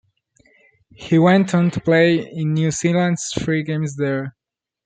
He went on to play in New Zealand's three games there.